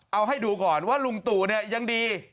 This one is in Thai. เอาให้ดูก่อนว่าลุงตู่เนี่ยยังดี